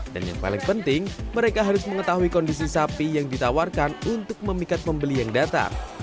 dan yang paling penting mereka harus mengetahui kondisi sapi yang ditawarkan untuk memikat pembeli yang datang